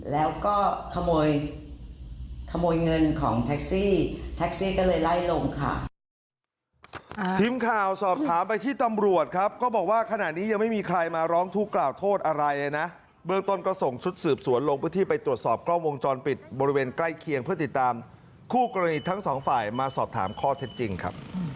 แล้วก็ขโมยขโมยเงินของแท็กซี่แท็กซี่ก็เลยไล่ลงค่ะ